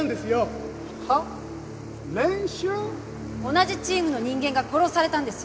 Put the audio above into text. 同じチームの人間が殺されたんですよ。